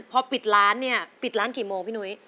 พอปิดร้านเนี่ยปิดร้านกี่โมงพี่นุ้ย